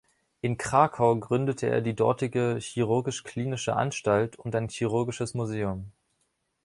In Krakau gründete er die dortige chirurgisch-klinische Anstalt und ein chirurgisches Museum.